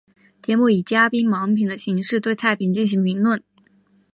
节目以嘉宾盲品的形式对菜品进行评论。